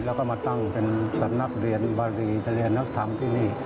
แล้วก็มาตั้งเป็นสำนักเรียนบารีจะเรียนนักธรรมที่นี่